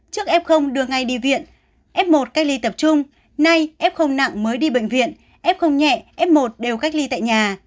trước f đưa ngay đi viện f một cách ly tập trung nay f nặng mới đi bệnh viện f nhẹ f một đều cách ly tại nhà